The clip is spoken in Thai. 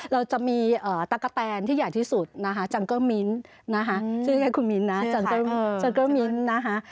เราจะมีตากกะแตนที่ใหญ่ที่สุดนะฮะจังเกอร์บมิ้นร์นะฮะเชื่อด้วยไหมคุณมิ้นจังเกอร์บมิ้นร์นะฮะ